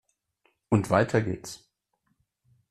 Und weiter geht's!